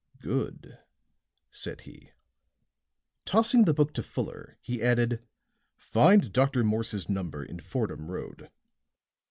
"Good," said he. Tossing the book to Fuller, he added: "Find Dr. Morse's number in Fordham Road."